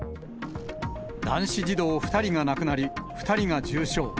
男子児童２人が亡くなり、２人が重傷。